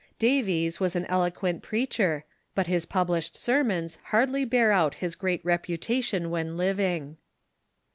Davies was an eloquent preacher, but his published sermons hardly bear out his great reputation when living.